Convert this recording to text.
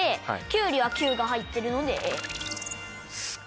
キュウリは「キュウ」が入ってるのでＡ。